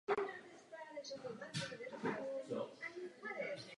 Tyto ženy jsou schopny obětovat svou lásku vyšším ideálům.